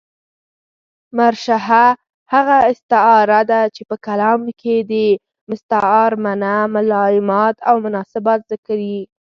مرشحه هغه استعاره ده، چي په کلام کښي د مستعارمنه ملایمات اومناسبات ذکر يي.